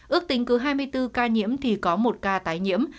ước tính cứ hai mươi bốn ca nhiễm thì có một ca tái nhiễm